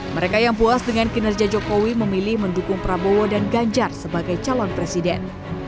mereka yang puas dengan kinerja jokowi memilih mendukung prabowo dan ganjar sebagai calon presiden